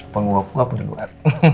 penguap penguap udah keluar